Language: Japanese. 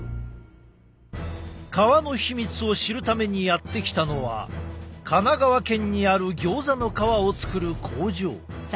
皮の秘密を知るためにやって来たのは神奈川県にあるギョーザの皮を作る工場。